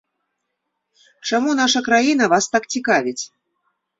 Чаму нашая краіна вас так цікавіць?